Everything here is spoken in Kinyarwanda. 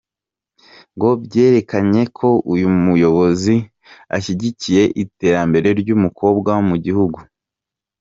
Ngo byerekanye ko uyu muyobozi ashyigikiye iterambere ry’umukobwa mu gihugu.